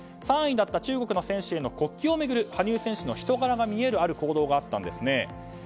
３位だった中国の選手への国旗を巡る羽生選手の人柄が見えるある行動があったんですね。